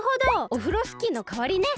オフロスキーのかわりね。